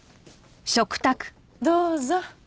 どうぞ。